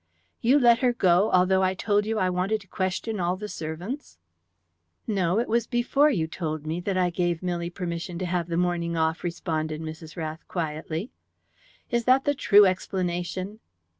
"You let her go, although I had told you I wanted to question all the servants?" "No, it was before you told me that I gave Milly permission to have the morning off," responded Mrs. Rath quietly. "Is that the true explanation?"